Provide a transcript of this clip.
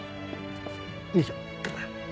よいしょ。